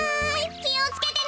きをつけてね！